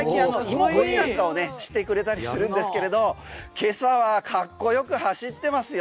芋ほりなんかをしてくれたりするんですけれど今朝はかっこよく走ってますよ。